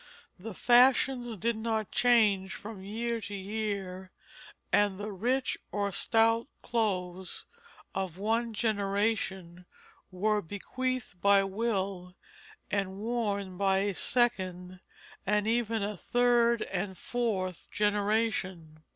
The fashions did not change from year to year, and the rich or stout clothes of one generation were bequeathed by will and worn by a second and even a third and fourth generation.